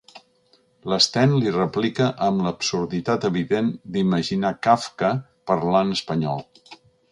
L'Sten li replica amb l'absurditat evident d'imaginar Kafka parlant espanyol.